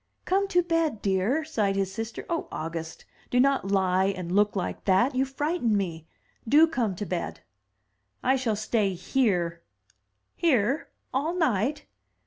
" "Come to bed, dear," sighed his sister. "Oh, August, do not lie and look like that! you frighten me. Do come to bed." "I shall stay here." "Here! all night!"